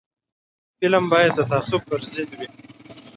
فلم باید د تعصب پر ضد وي